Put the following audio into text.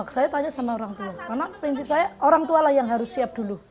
saya tanya sama orang tua karena prinsip saya orang tua lah yang harus siap dulu